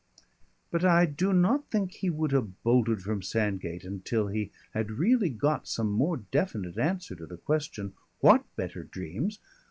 But I do not think he would have bolted from Sandgate until he had really got some more definite answer to the question, "What better dreams?"